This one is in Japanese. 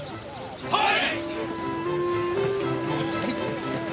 はい！